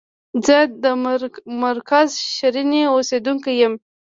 زه د مرکز شرنی اوسیدونکی یم.